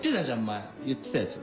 前言ってたやつ。